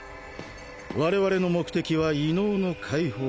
我々の目的は異能の解放。